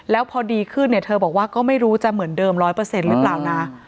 แล้วพอดีขึ้นเนี่ยเธอบอกว่าก็ไม่รู้จะเหมือนเดิม๑๐๐หรือเปล่านะ